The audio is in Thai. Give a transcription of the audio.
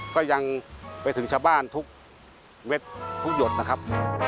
ก็ยังไปถึงชาวบ้านทุกเม็ดทุกหยดนะครับ